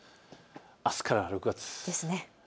あすから６月ですね。